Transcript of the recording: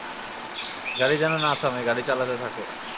গাড়ি যেন না থামে, গাড়ি চালাতে থাক।